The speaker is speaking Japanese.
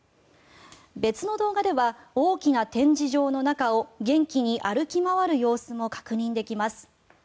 別の動画では大きな展示場の中を元気に歩き回る様子も確認できます。